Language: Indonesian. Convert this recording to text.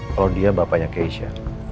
kalau dia bapaknya keisha